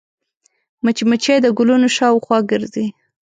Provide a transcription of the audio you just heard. مچمچۍ د ګلونو شاوخوا ګرځي